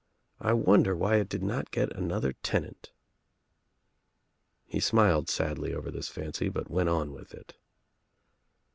I wonder why It did ^not get another tenant." He smiled sadly over this fancy but went on with it.